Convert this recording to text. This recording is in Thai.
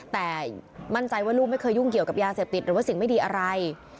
แต่มั่นใจว่าลูกไม่เคยยุ่งเกี่ยวกับยาเสพติดหรือว่าสิ่งไม่ดีอะไร